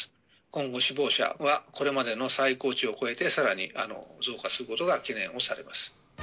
今後、死亡者はこれまでの最高値を超えて、さらに増加することが懸念をされます。